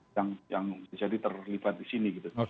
yang jadi terlibat di sini gitu